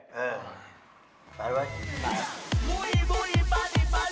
สงครามนี้อย่าไปไหน